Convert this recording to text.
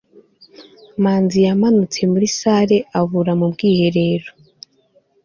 manzi yamanutse muri salle abura mu bwiherero